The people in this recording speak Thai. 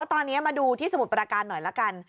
ตอนนี้มาดูที่สมุทรประการหน่อยละกัน